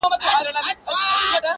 • د ميرويس نيکه پيوند دی -